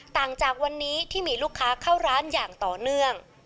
ต่างจากวันนี้ที่มีลูกค้าเข้าร้านอย่างต่อเนื่อง